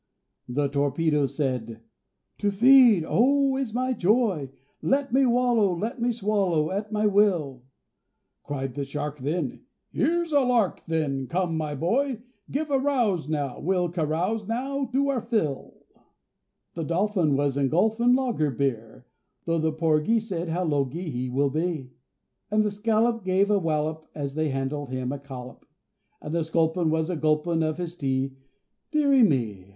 The Torpedo said, "To feed, oh! is my joy; Let me wallow, let me swallow at my will!" Cried the Shark, then, "Here's a lark, then! come, my boy, Give a rouse, now! we'll carouse now to our fill." The Dolphin was engulfin' lager beer, Though the Porgy said "How logy he will be." And the Scallop gave a wallop as they handed him a collop And the Sculpin was a gulpin' of his tea,—deary me!